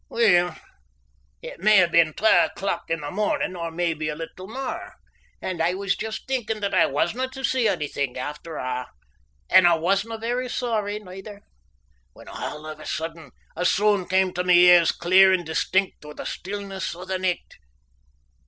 Weel, it may have been twa o'clock in the mornin' or maybe a little mair, and I was just thinkin' that I wasna tae see onything after a' and I wasna very sorry neither when all o' a sudden a soond cam tae my ears clear and distinct through the stillness o' the nicht.